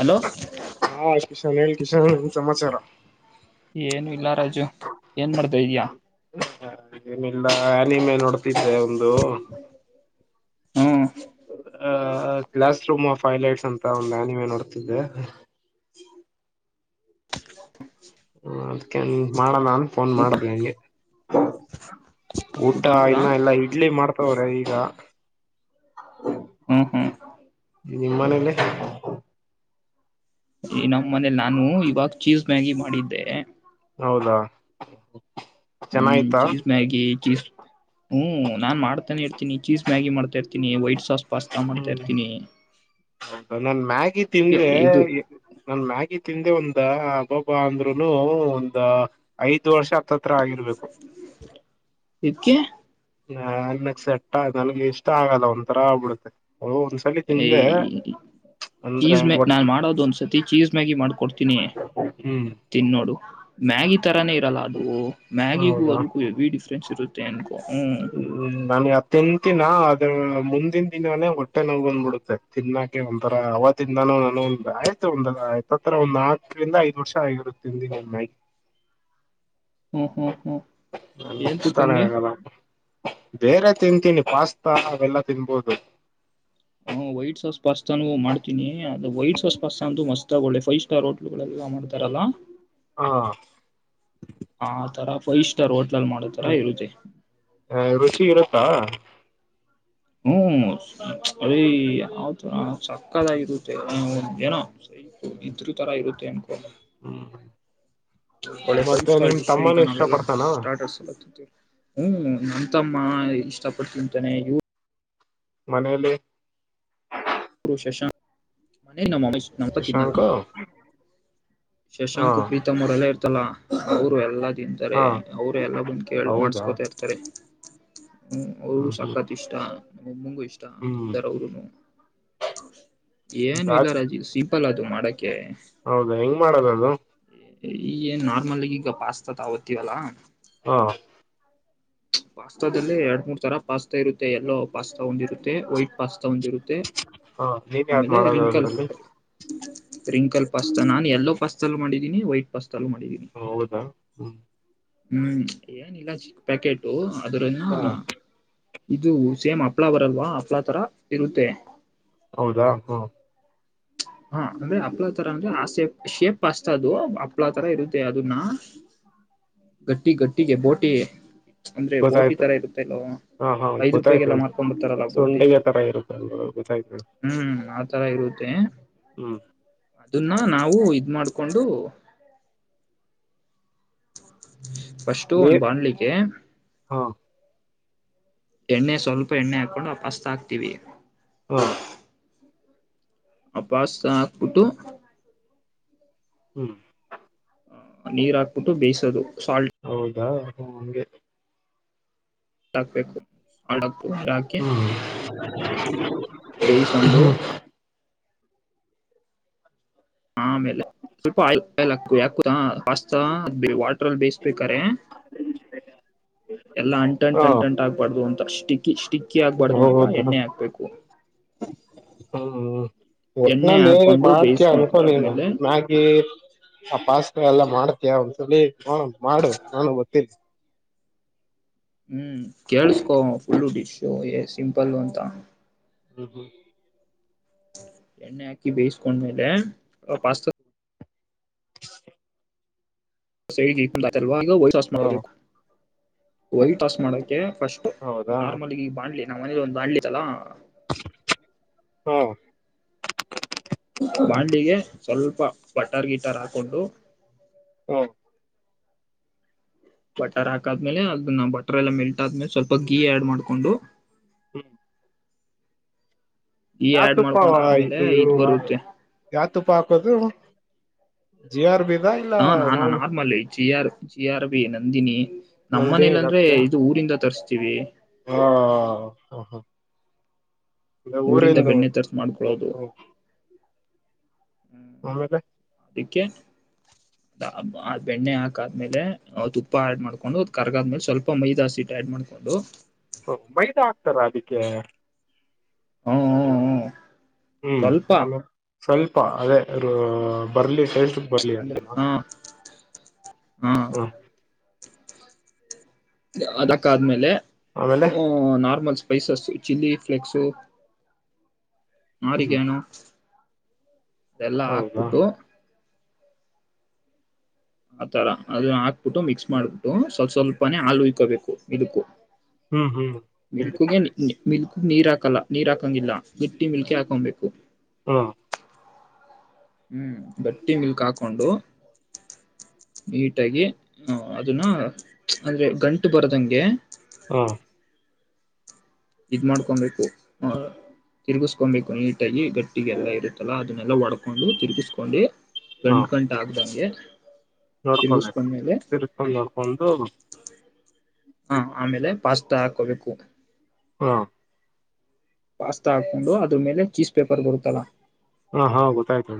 Hello. ನಾ ಮೇಲ್ ಕಿಶನನು ಸಮಾಚಾರಾ. ಏನು ಇಲ್ಲಾ ರಾಜು ಏನ್ ಮಾಡ್ತ ಇದ್ದಿಯಾ. ಒಂದೋ. ಹ್ಮ್ ಹ್ ಹೌದಾ. ಅಹ ಗ್ಲಾಸ್ ರೂಮ್ ಫೈಲೈಟ್ಸ್ ಅಂತ ಒಂದು ಮ್ಯಾನಿವೆ ನೋಡ್ತಿದ್ದೆ. [inaudible] ಹೂ ಅದ್ಕೇನ್ ಮಾಡಣಾ ಅನ್ ಫೋನ್ ಊಟ ಮಾಡದು ಹೆಂಗೆ. ಊಟ ಊಟಾ ಮಾಡ್ದ ಇನ್ನ ಇಲ್ಲಾ ಇಡ್ಲಿ ಮಾಡ್ತವ್ರೆ ಈಗಾ. ಹ್ಮ್ ಹ್ಮ್ ನಿಮ್ಮನೇಲೆ. ಈ ನಮ್ಮ್ ಮನೇಲಿ ನಾನು ಇವಾಗ ಚೀಝ್ ಮ್ಯಾಗಿ ಮಾಡಿದ್ದೆ. ಹೌದಾ. ಹ್ಮ್ ಚೆನ್ನಾಯ್ತಾ ಚೀಝ್ ಮ್ಯಾಗಿ ಚೀಸ್ತ್ ಹ್ಹೂ. ನಾನ್ ಮಾಡತ್ತನೆ ಇರ್ತೀನಿ ಚೀಸ್ ಮ್ಯಾಗಿ ಮಾಡ್ತಾ ಇರ್ತನಿ ವೈಟ್ಸ್. ತ್ತೊಸ್ ಸ್ಪಾಸ್ತಾ ಮಾಡ್ತಾ ಇರ್ತೀನಿ. ಔ ದನಲ್ಲ್. ಮ್ಯಾಗಿ ತ್ತಿಂದೆ ಇದು ನನ್ ಮ್ಯಾಗಿದ. ತಿಂದೆ ಒಂದಾ ಅಬ್ಬಬಾ ಅಂದ್ರುನು ಒಂದ ಐದ ವರ್ಷಾ. ಇದ್ಕೆ. ನಾನ್ಗ್ ಸೆಟ್ಟ ಅಗಲ್ಗೆ ಇಷ್ಟ ಆಗಲ್ಲ ಒ್ ತರ ಆಗ್ಬಿಡುತ್ತೆ. ಓ ಒಂದ್ಸಲಿ ತಿಂದೆ ಏಯ್ ಅಂದ್ರೆ ಚೀಸ್ ಮ್ಯ ಒಟ್ ನಾನ್ ಮಾಡೋದು ಒಂದ್ಸತಿ ಚೀಸ್ ಮ್ಯಾಗಿ ಮಾಡ. ತಿನಿ ಹ್ಮ್ ತಿನ್ದ ನೋಡು. ಮ್ಯಾಗಿ ಈ ತರಾನೇ ಇರಲ್ಲ ಅದು ಮ್ಯಾಗಿಗೂ ಅದಕ್ಕೂ ಹೆವಿ ಡಿಫ್ರೆನ್ಸ್ ಇರುತ್ತೆ. ಟೆನ್ ಹ್ಮ ನನಗೆ ಅತ್ತಂತಿನ. ಮುಂದಿನ ದಿನಾನೇ ಹೊಟ್ಟೆ ನೋವ್ ಬಂದ್ಬಿಡುತ್ತೆ ತಿನ್ನಾಕೆ ಒಂದಥರ ಅವ ತಿಂದಾನ ನನಂದ ಆಯ್ತು ಒಂದ ಆತ್ತತ್ರರ ಒಂದ್ ನಾಲ್ಕರಿಂದ ಐದ್ ವರ್ಷ ಆಗಿರುತ್ತೆ ತಿಂದಿನ [unintelligible] ಹ್ಮ್ ಹ್ಮ್ ಹ್ಮ್ ಏನ್ ನನಗಿಷ್ಟನೆ ತುಕ್ಕಂಗೆ ಆಗಲ್ಲಪ. ಬೇರೆ ತಿಂತೀನಿ ಪಾಸ್ತಾ ಅವೆಲ್ಲಾ ತಿನ್ಬೋದು. ಹ್ಮ ವೈಟ್ ಸಾಸ್ ಪಾಸ್ತಾನು ಮಾಡ್ತೀನಿ ಅದು ವೈಟ್ ಸಾಸ್ ಪಾಸ್ತ ಅಂತೂ ಮಸ್ತ್ ಆ ಒಳ್ಳೆ ಫೈವ್ ಸ್ಟಾರ್ ಹೊ [unintelligible] ಎಲ್ಲಾ ಮಾಡ್ತಾರಲ್ಲ. ಹಾ ಆ ತರ ಫೈವ್ ಸ್ಟಾರ್ ಹೋಟೆಲ್. ಹ್ಮ ಹ ರುಚಿ ಇರುತ್ತಾ. ಹ್ಮ್ ಅದೇ ಯಾವತರ ಸಕ್ಕದಾಗಿ ಇರುತ್ತೆ ಏನೋ ಸೈಪು ಇದ್ರ ತರ ಇರುತ್ತೆ ಅನ್ಕೊ ಹ್ಮ್ ಎಲ್ಲಾ ಫೈವ್ ಮತ್ತೆ ನಿಮ್ ಸ್ಟಾರ್ಶ ಈಗ ತಮ್ಮನು ಇಷ್ಟ ನಾವೆಲ್ಲಾ ಪಡ್ತಾನ ಸ್ಟಾರ್ಟರ್ಸ್ ಎಲ್ಲ ತಿಂತಿವಿ. ಹ್ಮ್ ನಂತಮ್ಮ ಇಷ್ಟ ಪಟ್ ತಿಂತಾನೆ ಇ ಮನೇಲಿ [inaudible] ವಿಶೇಷ ಮನೆ ನಮ [unintelligible] ಸುಶಾಂಕ. ಶಶಾಂಕ ಪ್ರೀತಮಾ ಅವರೆಲ್ಲ ಇ ತ್ತಲ್ಲ ಅವರು ಎಲ್ಲ. ಹಾ ತಿಂತಾರೆ ಅವರು ಎಲ್ಲ ಬಂದ್ ಕೇಳಿ ಹೌದಾ ಮಾಡ್ಸ್ಕೊತ ಇರ್ತಾರೆ. ಹ್ಮ್ ಅವ್ರಿಗೂ ಸಕತ್ ಇಷ್ಟ ನಮ್ಮಮ್ಮಂಗೂ ಇಷ್ಟ ತಿಂತಾರ ಅವರೂನು. [unintelligible] ಹ್ಮ್ ಏನು ಇಲ್ಲ ಅದ್ ರಾಜೀವ್ ಸಿಂಪಲ್ ಅದು ಮಾಡ ಬಕೆ ಹೌದಾ ಹೆಂಗ್ ಮಾಡದದು. ಈಗೇನ್ ನಾರ್ಮಲ್ ಈಗ ಪಾಸ್ತ ತಗೋಬರ್ತೀವಲ್ಲ. ಹೊ. ಪಾಸ್ತಾದಲ್ಲಿ ಎರಡ್ ಮೂರ್ ತರ ಪಾಸ್ತಾ ಇರುತ್ತೆ ಎಲ್ಲೋ ಪಾಸ್ತಾ ಒಂದ್ ಇರುತ್ತೆ ವೈಟ್‌. ಪಾಸ್ತಾ ಒಂದಿರುತ್ತೆ ಹಾ ನೀನ್ ಯಾವ್ದ್ ಆಮೇಲೆ ಮಾಡೋದ ರಿಂಕಲ್. ಅದ್ರಲ್ಲಿ ಪ್ರ್ರಿಂಕಲ್ ಪಾಸ್ತ ನಾನು ಯಲ್ಲೋ ಪಸ್ತ್ ಮಾಡೀದಿನಿ ವೈಟ್ ಪಾಸ್ತ. ಚಾಲು ಮಾಡಿದಿನಿ. ಹೌದಾ ಹ್ಮ್ ಹ್ಮ್ ಏನ್ ಇಲಾಜಿ ಪ್ಯಾಕೆಟು. ಅದರನ್ನ ಹ ಇದು ಸೇಮ್ ಹಪ್ಳ ಬರಲ್ವಾ ಹಪ್ಳಾ ತರ ಇರುತ್ತೆ. ಹೌದಾ ಹ್ಮ. ಹಾ ಅಂದ್ರೆ ಹಪ್ಳಾ ತರ ಅಂದ್ರೆ ಆ ಶೇಪ್ ಶೇಪ್ ಅಷ್ಟ ಅದು ಹಪ್ಲಾ ತರ ಇರುತ್ತೆ ಅದನ್ನ ಗಟ್ಟಿ ಗಟ್ಟಿಗೆ ಬೋಟಿ. ಅಂದ್ರೆ ಬೋಟಿ ಗೊತ್ತಾಯ್ತು ತರ ಇರುತ್ತೆಲ್ವ ಹಾ ಹಾ ಐದ್ ಗೊತ್ತಾಯ್ತು ರೂಪಾಯಿಗೆಲ್ಲ ಹೇಳಿ ಮಾರ್ಕೊಂಡ್ ಬರ್ತಾರಲ್ಲ ಬೋಟಿ ಸೊಂಡಿಗೆ ತರ ಇರುತ್ತೆ ಅಲ್ವ ಗೊತ್ತಾಯ್ತು ಹೇಳಿ ಹ್ಮ್ ಆತರ ಇರುತ್ತೆ. ಹ್ಮ್ ನ್ನ ನಾವು ಇದ್ ಮಾಡ್ಕೊಂಡು. [inaudible] ಫಸ್ಟು ಒಂದ್ ನೀರ್ ಬಾಂಣ್ಲಿಗೇ. ಹಾ ಎಣ್ಣೆ ಸ್ವಲ್ಪ ಎಣ್ಣೆ ಹಾಕೊಂಡು ಆ ಪಾಸ್ತ ಹಾಕ್ತೀವಿ. ಹಾ ಆ ಪಾಸ್ತಾ ಅಕ್ಬಿಟ್ಟು. ಹ್ಮ್ ಹ ನೀರ್ ಹಾಕ್ಬಿಟ್ಟು ಬೇಯಿಸದು. ಹೌದಾ ಹ ಹಂಗೆ ಟಾಕ್ಬೇಕು [unintelligible] ಯಾಕೆ. ಹ್ಮ್ [inaudible] ಬೇಯಸ್ಗೊಂಡು ಆಮೇಲೆ ಸ್ವಲ್ಪ ಆಯಿ ಆಯಲ್ ಹಾಕ ಹಾಕ ಯಾಕ್ ಗೊತ್ತಾ [unintelligible] ಅ ವಾಟ್ರ ಅಲ್ಲಿ ಬೇಯಿಸ್ಬೇಕರೆ ಎಲ್ಲ ಅಂಟ ಅಂಟ ಹಾ ಅಂಟ ಅಂಟ ಆಗ್ಬಾರ್ದು ಅಂತ ಅಷ್. ಸ್ಟಿಕ್ಕಿ ಆಗ್ಬಾರ್ದು ಅಂತ ಹೌದಾ ಎಣ್ಣೆ ಹಾಕ್ಬೇಕು. ಎಣ್ಣೆ ಒಟ್ಟನಲ್ಲಿ ಹಾಕೊಂಡು ಮಾಡ್ತೀಯ ಬೇಯಿಸಕೊಂಡ್ ಅನ್ಕೊ ನೀನು ಆದ್ಮೇಲೆ ಮ್ಯಾಗಿ ಆ ಪಾಸ್ತಾ ಎಲ್ಲ. ಮಾಡ್ತಿಯ ಒಂದ್ಸಲಿ. ಹಾ ಮಾಡು ನಾನು ಬರ್ತೀನಿ. ಹ್ಮ್ ಕೇಳಸ್ಕೋ ಫುಲ್ಲು ಡಿಶ್ ಎಷ್ಟ್ ಸಿಂಪಲ್ಲು ಅಂತ. ಹ್ಮ ಹ್ಮ್ ಎಣ್ಣೆ ಹಾಕಿ ಬೇಯಿಸ್ಕೊಂಡ್ಮೇಲೆ ಪಾಸ್ತ ಸೈಡ್ [unintelligible] ಈಗ ವೈಟ್ ಸಾಸ್ ಹಾ ಮಾಡ್ಕೊಬೇಕು ವೈಟ್ ಸಾಸ್ ಮಾಡಕೆ ಫಸ್ಟ್ ಹೌದಾ ನಾರ್ಮಲ್ ಈ ಬಾಣ್ಲಿ ನಮ್ಮನೇಲಿ ಒಂದು ಬಾಂಡ್ಲಿತಲಾ? ಹಾ [inaudible] ಬಾಂಡ್ಲಿಗೆ ಸ್ವಲ್ಪ ಬಟ್ಟರ್ ಗಿಟ್ಟರ್ ಹಾಕೊಂಡು ಹುಂ ಬಟರ್ ಹಾಕಾದ್ಮೇಲೆ ಅದನ್ನ ಬಟರ್ ಎಲ್ಲ ಮೆಲ್ಟ್ ಆದ್ಮೇಲೆ ಸ್ವಲ್ಪ ಗೀ ಆಡ್ ಮಾಡ್ಕೊಂಡು ಹ್ಮ್ ಗೀ ಆಡ್ ಯಾತುಪ್ಪ ವ ಮಾಡ್ಕೊಂಡ್ ಆದ್ಮೇಲೆ ಇದು ಯು ಇದ್ ವ ಬರುತ್ತೆ ಯಾತುಪ್ಪ ಹಾಕೋದು? G R B. ದ ಇಲ್ಲಾ ಹಾ ನಾನ್ ಮಾಮ normal G R G R B Nandini. Nandini ನಮ್ಮನೇಲಂದ್ರೆ ಹಾಕ್ತಿಯ ಇದು ಊರಿಂದ ತರ್ಸ್ ಇವಿ ಹಾ ಹಾ ಹ. ಅಂದ್ರೆ ಊರಿಂದ ಊರಿಂದು ಬೆಣ್ಣೆ ತರ್ಸ್ ಹ್ಮ್ ಮಾಡ್ಕೊಳ್ಳೋದು. ಅಮೇಗೆ ಇಕ್ಕೆ ಅ ಅ ಬ್ ಅ ಬೆಣ್ಣೆ ಹಾಕಾದ್ಮೇಲೆ ಆ ತುಪ್ಪ ಆಡ್ ಮಾಡ್ಕೊಂಡು ಕರ್ಗಾದ್ಮೇಲ್ ಸ್ವಲ್ಪ ಮೈದ ಹಸಿಟ್ ಆಡ್ ಮಾಡ್ಕೊಂಡು ತರಾದಿಕೆ ಹ್ಮ ಹ್ಮ ಹ್ಮ್ ಸ್ವಲ್ಪ ಹಲೊ. ಸ್ವಲ್ಪ ಅದೆ ರೋ ಬರ್ಲಿ [unintelligible] ಬರ್ಲಿ ಅಂದ್ರೆ ಅಂತನ ಹ ಹ ಅ ಹ್ ಅದಕಾದ್ಮೇಲೆ ಆಮೇಲೆ ಊ ನಾರ್ಮಲ್ಸ್ ಸ್ಪೖಸಸ್ ಚಿಲ್ಲಿ ಪ್ಲೆಕ್ಸು ಹ್ಮ್ ಆರಿಗ್ಯಾನೋ ಇದೆಲ್ಲಾ ಹೌದಾ ಹಾಕ್ಬುಟ್ಟು ಅತರ ಅದು ಹಾಕ್ಬುಟ್ಟು ಮಿಕ್ಸ್ ಮಾಡ್ಬಿಟ್ಟು ಸ್ವಲ್ಪ ಸ್ವಲ್ಪನೇ ಹಾಲುಯ್ಕೋಬೇಕು ಇದಕ್ಕು. ಹ್ಮ್ ಹ್ಮ್ ಹೇಳಿ ಮಿಲ್ಕುಗೆ ನಿ ನಿ ಮಿಲ್ಕ್ ನೀರಾಕಲ್ಲ ನೀರಾಕಂಗಿಲ್ಲ ಗಿಟ್ಟಿ ಮಿಲ್ಕೆ ಹಾಕೊಂಬೇಕು. ಹಾ ಹ್ಮ್ ಗಟ್ಟಿ ಮಿಲ್ಕ್ ಹಾಕೊಂಡು ನೀಟಾಗಿ ಹ ಅದನ್ನ ಅಂದ್ರೆ ಗಂಟು ಬರ್ದಂಗೆ ಹಾ ಇದ್ ಮಾಡ್ಕೊಂಬೇಕು ಹ ತಿರುಗುಸ್ಕೊಂಬೇಕು ನೀಟಗಿ ಗಟ್ಟಿಗೆಲ್ಲಾ ಇರುತ್ತಲ್ಲಾ ಅದನ್ನೆಲ್ಲ ಒಡ್ಕ ಕೊಂಡು ತಿರುಗಿಸ್ಕೊಂಡಿ ಹಾ ಗಂಟ್ ಗಂಟ್ ಆಗ್ದಂಗೆ ನೋಡ್ಕೊಬೇಕು ತಿರುಗುಸ್ಕೊಂಡ್ಮೇಲೆ ಅ ತಿರ್ಸ್ಕೊಂಡ್ ನೋಡ್ಕೊಂಡು ಅ ಆಮೇಲೆ ಪಾಸ್ ತ ಹಾಕೊಬೇಕು. ಹಾ ಪಾಸ್ತಾ ಹಾಕೊಂಡು ಅದ್ರ ಮೇಲೆ ಚೀಸ್ ಪೇಪರ್ ಬರುತ್ತಲ್ಲ ಹ ಹಾ ಗೊತ್ತಾಯ್ತು.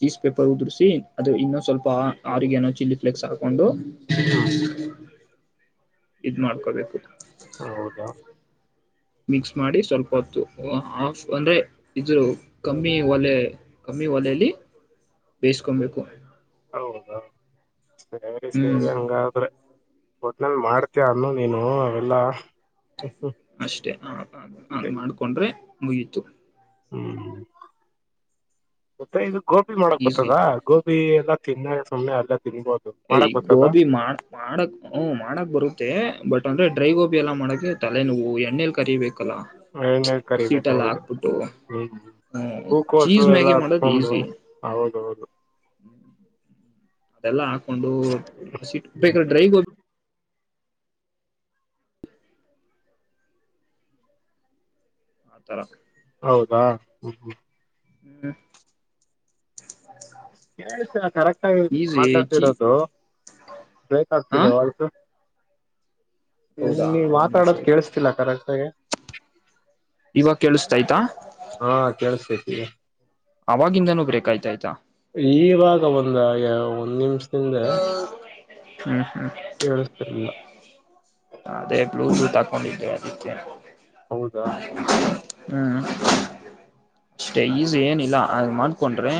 ಚೀಸ್ ಪೇಪರ್ ಉದುರ್ಸಿ ಅದು ಇನ್ನೊಸ್ವಲ್ಪ ಆ ಆರಿಗೇನೂ ಚಿಲ್ಲಿ ಪ್ಲೆಕ್ಸ್ ಹಾಕೊಂಡು ಹ್ಮ ಇದ್ ಮಾಡ್ಕೊಬೇಕು. ಹ ಹೌದಾ ಮಿಕ್ಸ್ ಮಾಡಿ ಸ್ವಲ್ಪ ಹೊತ್ತು ಆಫ್ ಅಂದ್ರೆ ಇದು ಕಮ್ಮಿ ಒಲೆ ಕಮ್ಮಿ ಒಲೆಲಿ ಬೇಯಿಸ್ಕೊಂಬೇಕು. ಹೌದಾ ಸರಿ ಸರಿ ಹ್ಮ್ ಹಂಗಾದ್ರೆ. ಒಟ್ನಲ್ಲಿ ಮಾಡ್ತಿಯ ಅನ್ನು ನೀನು ಅವೆಲ್ಲಾ. ಅಷ್ಟೇ ಹಾಗ್ ಮಾಡ್ಕೊಂಡ್ರೆ ಮುಗೀತು. ಹ್ಮ್ ಮತ್ತೆ ಇದು ಗೋಬಿ ಮಾಡಕ್ ಈಸಿ ಬತ್ತದಾ ಗೋಬಿ ಎಲ್ಲ ತಿನ್ನದು ಸುಮ್ನೆ ಅಲ್ಲ. ತಿನ್ಬೋದು ಈ ಮಾಡಕ್ ಗೊತ್ತದ ಗೋಬಿ ಮಾಡ ಮಾಡಕ್ ಹುಂ ಮಾಡಕ್ ಬರುತ್ತೆ ಬಟ್ ಅಂದ್ರೆ ಡ್ರೈ ಗೋಬಿ ಎಲ್ಲ ಮಾಡಕ್ಕೆ ತಲೆ ನೋವು ಎಣ್ಣೆಲ್ ಕರಿಬೇಕ್ ಎಣ್ಣೇ ಕರಿಬೇಕು ಹೌದು ಹ್ಮ್ ಹ್ಮ ಹೂಕೋಸು ಚೀಸ್ ಎಲ್ಲ ಮ್ಯಾಗಿ ಮಾಡೋದು ಹತ್ಕೊಂಡು ಈಸಿ ಹೌದೌದು. ಅದೆಲ್ಲಾ ಹಾ ಒಂದು ಹ್ಮ್ ಬೇಕದ್ರ ಡ್ರೈ ಗೋಬ್ ಆತರ. ಹೌದಾ ಹ್ಮ ಹ್ಮ್. ಹ್ಮ್ ಕೇಳ್ಸ್ತಿಲ್ಲ ಕರೆಕ್ಟಾಗಿ ಈಸಿ ಚಿ ಮಾತಾಡ್ತಿರೋದು ಹ ಬ್ರೇಕಾಗ್ತಿದೆ ವಾಯ್ಸು. ಹ ಹೌದಾ ನೀ ಒಂದ್ ನಿಮಿಷ ಮಾತಾಡೋದು ಇರು ಕೇಳಸ್ತಿಲ್ಲ ಕರೆ [unintelligible] ಇವಾಗ ಕೇಳಿಸತಯ್ತಾ. ಹಾ ಕಳ್ಸ್ತೇತಿ ಹೇಳ್. ಅವಾಗಿಂದನೂ ಬ್ರೇಕ್ ಆಯ್ತ ಐತ. ಇಲ್ಲ ಯಾ ಒಂದ್ ನಿಮಿಷ. ಹಿಂದ. ಹ್ಮ್ ಹ್ಮ್ ಕೇಳಿಸತಿರ್ಲಿಲ್ಲ. ಅದೇ ಬ್ಲೂ ಟೂತ್ ಆಕೊಂಡಿದ್ದೇ ಅದಕ್ಕೆ. ಹೌದಾ ಹ್ಮ ಹ್ಮ. ಅಸ್ಟ ಈಸ್ಏನ. ಇಲ್ಲ ಅದ್ ಮಾಡ್ಕೊಂಡ್ರೆ.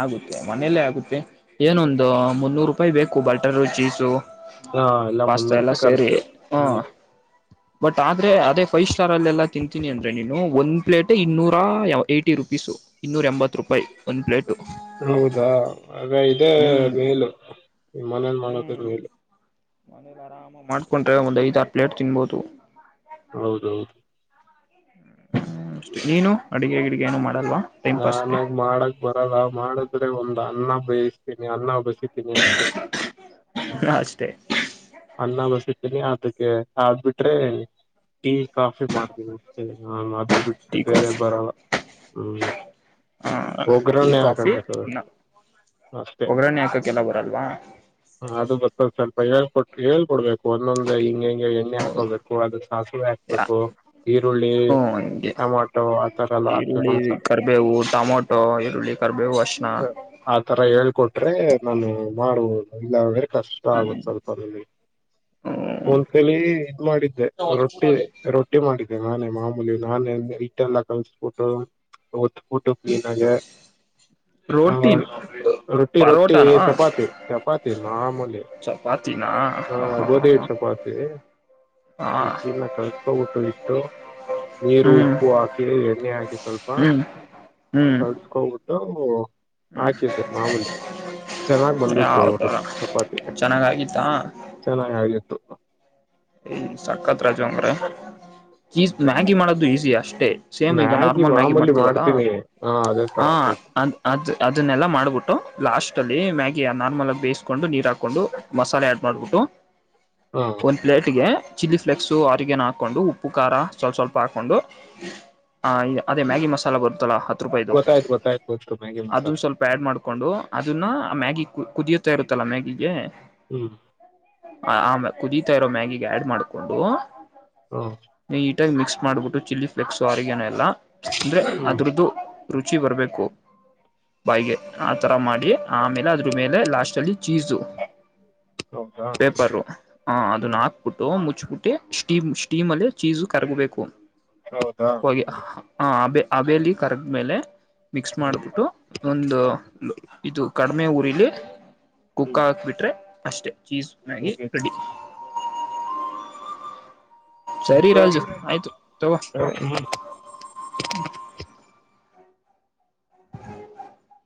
ಆಗುತ್ತೆ ಮನೇಲ್ಲೇ ಆಗುತ್ತೆ ಏನೊಂದು ಮುನ್ನೂರು ರೂಪಾಯಿ ಬೇಕು ಬಟರು ಚೀಸು. ಹಾ ಎಲ್ಲ ಪಾಸ್ತಾ ಮುನ್ನೂರು ಎಲ್ಲಾ ರೂಪಾಯಿ ಸೇರಿ ಖರ್ಚು ಹಾ. ಹ್ಮ್ ಬಟ್ ಆದ್ರೆ ಅದೇ ಫೈವ್ ಸ್ಟಾರ್ ಅಲ್ಲ ಎಲ್ಲಾ ತಿಂತೀನಿ ಅಂದ್ರೆ ನೀನು ಒಂದ್ ಪ್ಲೇಟ್ ಇನ್ನೂರ. ಏಯ್ಟಿ ರುಪೀಸು ಇನ್ನೂರ ಎಂಬತ್ತು ರೂಪಾಯಿ ಒಂದು ಪ್ಲೇಟು. ಹೌದಾ ಆಗ ಇದೇ ಹ್ಮ್ ಮೇಲು ಮನೇಲಿ ಮಾಡದೆ ಹ್ಮ್ ಮೇಲು. ಮನೇಲಿ ಆರಾಮ ಮಾಡ್ಕೊಂಡ್ರೆ ಒಂದ್ ಐದಾರು ಪ್ಲೇಟ್ ತಿನ್ಬೋದು. ಹೌದೌದು. ಹ್ಮ ಅಷ್ಟೆ ನೀನು ಅಡಗೆ ಗಿಡಿಗೆ ಏನು ಮಾಡ ನನ್ಗ ಮಾಡಕ್ ಬರಲ್ಲ ಮಾಡದ್ರೆ ಒಂದ ಅನ್ನ ಬಯಸ್ತೀನಿ ಅನ್ನ ಬಸ್. [unintelligible] ಅಷ್ಟೇ ಅಷ್ಟೇ ಅಲ್ಲ ನಾವು. [unintelligible] ಅದಕ್ಕೆ ಆದ್ಬಿಟ್ರೆ. ಟಿ ಕಾಫಿ ಮಾಡತೀವಿ. [unintelligible] ಬಿಟ್ಟು ಟೀ ಬೇರೆ ಬರಲ್ಲ. ಹ್ಮ್ ಹಾ ಟೀ ಒಗ್ಗರಣೆ ಕಾಫಿ ಹಾಕಕ್ ಬರ್ತದ ಇನ್ನಾ ಅಷ್ಟೇ ಒಗ್ಗ್ರರಣೆ ಹಾಕಕ್ಕೆಲ್ಲ ಬರಲ್ವಾ. ಅದು [unintelligible] ಹೇಳ್ಕೊಡ್ಬೇಕು ಒಂದೊಂದೇ ಹಿಂಗ ಹೆಂಗ್ ಎಣ್ಣೆ ಹಾಕೋಬೇಕು ಅದಕ್ ಸಾಸಿವೆ ಯಾ ಹಾಕ್ಬೇಕು ಈರುಳ್ಳಿ ಹ್ಮ ಹಂಗೆ ಟಮಾಟೊ ಆತರ ಎಲ್ಲ ಹಾಕ್ಬೇಕ್ ಈರುಳ್ಳಿ ಒಂದ್ಸ ಕರಿಬೇವು ಟೊಮೊಟೊ ಈರುಳ್ಳಿ ಕರಿಬೇವು ಅರ್ಶಿಣ ಆತರ ಹೇಳ್ಕೊಟ್ರೆ ನಾನು ಮಾಡ್ಬೋದ್. ಎಲ್ಲ ಅವೆ. ಕಷ್ಟ ಆಗುತ್ ಸ್ವಲ್ಪ ಇಲ್ಲಿ. ಹ್ಮ್ ಒಂದ್ಸಲಿ ಇದ್ ಮಾಡಿದ್ದೆ ರೊಟ್ಟಿ ರೊಟ್ಟಿ ಮಾಡ್ ಇದ್ ನಾನೇ ಮಾಮೂಲಿ ನಾನೇ ಹಿಟ್ಟೆಲ್ಲ ಕಲ್ಸ್ಬಿಟ್ಟು ಒತ್ ಬುಟ್ಟು ಕ್ಲೀನಾಗೆ ಆ ರೋಟಿ ರೊಟ್ಟಿ ರೊಟ್ಟಿ ಪರೋಟಾನ ಚಪಾತಿ ಚಪಾತಿ ಮಾಮೂಲಿ. ಚಪಾತಿನಾ ಹ ಗೋದಿ ಹಿಟ್ಚಪಾತಿ. ಹಾ ಹಿಟ್ಟನ್ನ ಕಲ್ಕ್ಸೊಬಿಟ್ಟು ಹಿಟ್ಟು ನೀರು ಹ್ಮ್ ಉಪ್ಪು ಹಾಕಿ ಎಣ್ಣೆ ಹಾಕಿ ಸ್ವಲ್ಪ ಹ್ಮ್ ಹ್ಮ್ ಕಳ್ಸ್ಕೋಬು ಹ ಹ್ಮ್ ಚೆನ್ನಾಗ್ ಬಂದಿತ್ತು ಅವರು ಆತರ ಚೆನ್ನಾಗಾಗಿತ್ತಾ? ಚೆನ್ನಾಗಾಗಿತ್ತು. ಏ ಸಕತ್ ರಜ ಮಾರಾಯ ಚೀಸ್ ಮ್ಯಾಗಿ ಮಾಡೋದು ಈಸಿ ಅಷ್ ಷ್ಟೆ ಸೇಮ್ ಈಗ ನಾರ್ಮಲ್ ಮ್ಯಾಗಿ ಮಾಮೂಲಿ ಮಾಡ್ತಿವಲ್ಲ ಮಾಡ್ತೀನಿ ಹಾ ಅದೇ ತರ ಆ ಆ ಅದ್ ಅ. ಅದನ್ನೆಲ್ಲಾ ಮಾಡ್ಬಿಟ್ಟು ಲಾಸ್ಟ್ ಅಲ್ಲಿ ಮ್ಯಾಗಿ ನಾರ್ಮಲ್ ಬೇಯಿಸ್ಕೊಂಡು ನೀರ್ ಹಾಕೊಂಡು ಮಸಾಲೆ ಆಡ್ ಮಾಡ್ಬಿಟ್ಟು ಹಾ ತ್ತಿಗೆ ಚಿಲ್ಲಿ ಫ್ಲೇಕ್ಸ್ ಆರಿಗೇನೊ ಹಾಕೊಂಡು ಉಪ್ಪು ಖಾರ ಸ್ವಸ್ವಲ್ಪ ಹಾಕೊಂಡು ಹಂಗೆ ಅದೇ ಮ್ಯಾಗಿ ಮಸಾಲ ಬರುತ್ತಲ್ಲಾ ಗೊತ್ತಾಯ್ತ್ ಗೊತ್ತಾಯ್ತ ಗೊತ್ತು ಮ್ಯಾಗಿ ಮಸಾಲ. ಅದನ್ನು ಮ್ಯಾಗಿ ಕುದಿಯುತ್ತಾ ಇರುತ್ತಲ್ಲ ಮ್ಯಾಗಿಗೆ ಹ್ಮ್ ಆಮ ಕುದಿ ತ್ತಾಯಿರೋ ಮ್ಯಾಗಿಗೆ ಆಡ್ ಮಾಡ್ಕೊಂಡು ಹಾ ಟಾಗ್ ಮಿಕ್ಸ್ ಮಾಡ್ಬಿಟ್ಟು ಚಿಲ್ಲಿ ಫ್ಲೆಕ್ಸ್ ಆರಿಗೆನೊ ಎಲ್ಲ ಅಂದ್ರೆ ಹ್ಮ ಹ್ಮ್ ಅದ್ರದ್ದು ರುಚಿ ಬರ್ಬೇಕು ಬಾಯಿಗೆ ಆತರ ಮಾಡಿ ಆಮೇಲೆ ಅದ್ರ ಮೇಲೆ ಲಾಸ್ಟಲ್ಲಿ ಚೀಸು ಹೌದಾ? ಅದನ್ ಹ್ಮ್ ಹಾಕ್ಬಿಟ್ಟು ಮುಚ್ಬಿಟ್ಟಿ ಸ್ಟೀಮ್ ಸ್ಟೀಮಲ್ಲಿ ಚೀಸು ಕರ್ಗಬೇಕು. ಹೌದಾ ಹೋಗಿ ಹ್ಮ್ ಹ ಅಬೇ ಅಬೇಲಿ ಕರಗ್ಮೆಲೆ ಮಿಕ್ಸ್ ಮಾಡ್ಬಿಟ್ಟು ಒಂದು ಇದು ಕಡ್ಮೆ ಉರಿಲಿ ಕುಕ್ಕ ಹ್ಮ್ ಹಾಕ್ ಬಿಟ್ರೆ ಅಷ್ಟೇ ಚೀಸ್ ಮ್ಯಾಗಿ ಮುಗೀತು ರೆಡಿ. ಸರಿ ಮತ್ತೆ ರಾಜು ಆಯ್ತು ತೊಗೊ ಹ್ಮ್ [unintelligible]